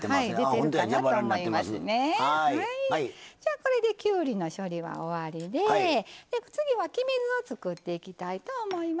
これできゅうりの処理は終わりで次は黄身酢を作っていきたいと思います。